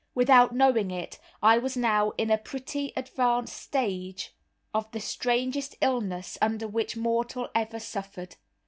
Without knowing it, I was now in a pretty advanced stage of the strangest illness under which mortal ever suffered.